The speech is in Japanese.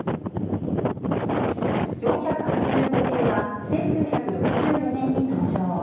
４８５系は１９６４年に登場。